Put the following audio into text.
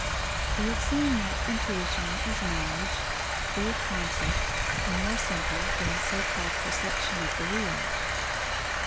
We have seen that intuition is knowledge, free of concepts and more simple than the so called perception of the real.